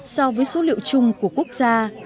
so với số liệu chung của quốc gia